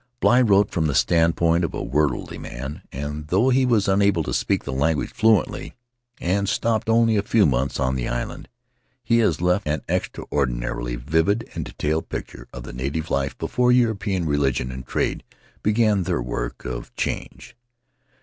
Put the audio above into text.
Bligh wrote from the standpoint of a worldly man and, though he was unable to speak the language fluently and stopped only a few months on the island, he has left an extraordina rily vivid and detailed picture of the native life be fore European religion and trade began their work of change.